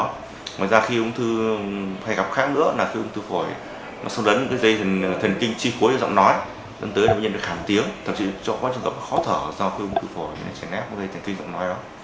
ngoài ra khi ống thư hay gặp khác nữa là khi ống thư phổi nó sụp đoán những dây thần kinh chi phối giữa giọng nói dẫn tới là bệnh nhân được khảm tiếng tậm chí chỗ quá trình gặp khó thở do ống thư phổi chèn ép vào dây thần kinh giọng nói đó